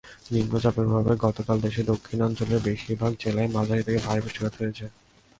নিম্নচাপের প্রভাবে গতকাল দেশের দক্ষিণাঞ্চলের বেশির ভাগ জেলায় মাঝারি থেকে ভারী বৃষ্টিপাত হয়েছে।